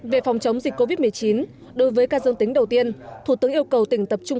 về phòng chống dịch covid một mươi chín đối với ca dương tính đầu tiên thủ tướng yêu cầu tỉnh tập trung